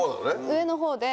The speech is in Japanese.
上の方で。